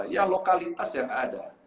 ya lokalitas yang ada